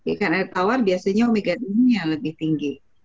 ikan air tawar biasanya omega dua nya lebih tinggi